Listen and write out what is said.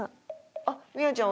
あっ深愛ちゃん